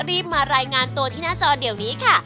รีบมารายงานตัวที่หน้าจอเดี๋ยวนี้ค่ะ